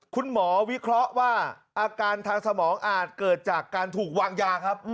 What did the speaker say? คุณหมอวิเคราะห์ว่าอาการทางสมองอาจเกิดจากการถูกวางยาครับ